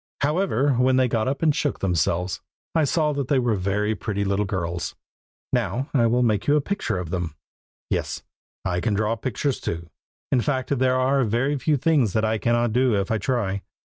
However, when they got up and shook themselves, I saw that they were very pretty little girls. Now I will make you a picture of them. Yes, I can draw pictures too; in fact, there are very few things that I cannot do if I try.